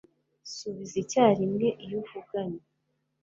Subiza icyarimwe iyo uvuganye